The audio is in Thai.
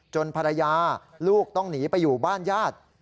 ภรรยาลูกต้องหนีไปอยู่บ้านญาติ